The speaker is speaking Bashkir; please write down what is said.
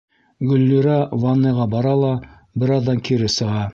Гөллирә ванныйға бара ла бер аҙҙан кире сыға.